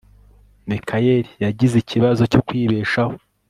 mikayeli yagize ikibazo cyo kwibeshaho